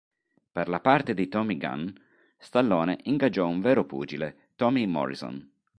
Per la parte di Tommy Gunn, Stallone ingaggiò un vero pugile, Tommy Morrison.